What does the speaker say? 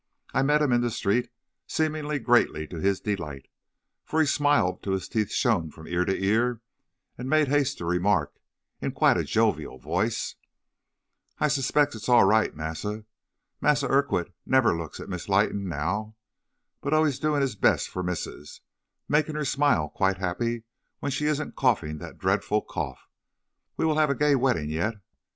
I met him in the street, seemingly greatly to his delight, for he smiled till his teeth shone from ear to ear, and made haste to remark, in quite a jovial voice: "'I specs it's all right, massa. Massa Urquhart never looks at Miss Leighton now, but always doin' his best for missus, making her smile quite happy when she isn't coughing that dreadful cough. We will have a gay wedding yet.